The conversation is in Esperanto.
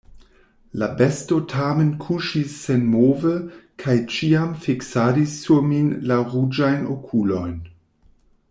La besto tamen kuŝis senmove kaj ĉiam fiksadis sur min la ruĝajn okulojn.